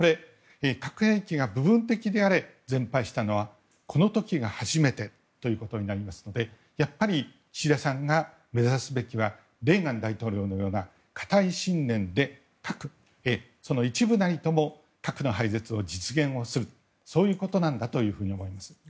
核兵器が部分的であれ全廃したのはこの時が初めてということになりますのでやっぱり岸田さんが目指すべきはレーガン大統領のような固い信念で一部なりとも核の廃絶を実現するということなんだろうと思います。